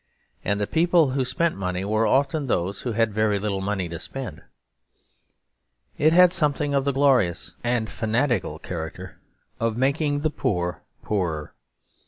And the people who spent money were often those who had very little money to spend. It had something of the glorious and fanatical character of making the poor poorer.